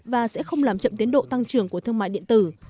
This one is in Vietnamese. và sẽ không làm chậm tiến độ tăng trưởng của thương mại điện tử